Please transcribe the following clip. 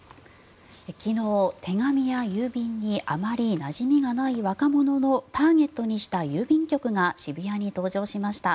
昨日、手紙や郵便にあまりなじみがない若者をターゲットにした郵便局が渋谷に登場しました。